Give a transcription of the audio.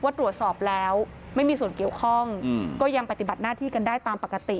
ตรวจสอบแล้วไม่มีส่วนเกี่ยวข้องก็ยังปฏิบัติหน้าที่กันได้ตามปกติ